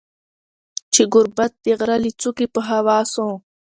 چي ګوربت د غره له څوکي په هوا سو